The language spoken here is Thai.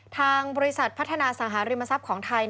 ทางบริษัทพัฒนาสังหาริมทรัพย์ของไทย